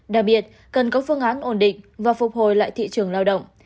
đặc biệt cần có phương án ổn định và phục hồi lại thị trường lao động